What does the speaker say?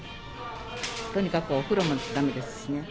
とにかくお風呂もだめですしね。